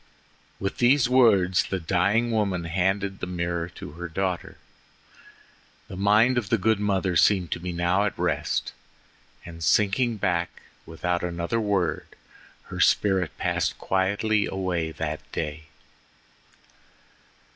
With these words the dying woman handed the mirror to her daughter. The mind of the good mother seemed to be now at rest, and sinking back without another word her spirit passed quietly away that day.